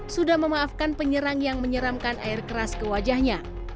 sudah memaafkan penyerang yang menyeramkan air keras ke wajahnya